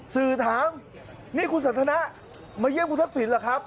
สื่อถามนี่คุณสันทนะมาเยี่ยมคุณทักษิณเหรอครับ